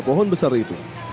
pohon besar itu